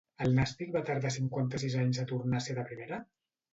El Nàstic va tardar cinquanta-sis anys a tornar a ser de primera?